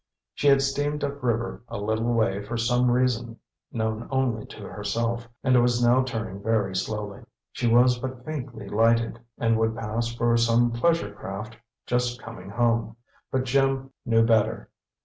She had steamed up river a little way for some reason known only to herself, and was now turning very slowly. She was but faintly lighted, and would pass for some pleasure craft just coming home. But Jim knew better.